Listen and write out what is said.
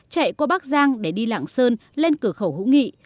chạy qua bắc giang để đi lạng sơn lên cửa khẩu hữu nghị